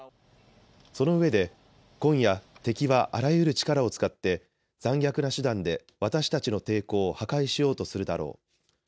そのうえで今夜、敵はあらゆる力を使って残虐な手段で私たちの抵抗を破壊しようとするだろう。